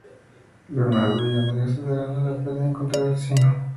Leonardo y Andrea se darán a la tarea de encontrar al asesino.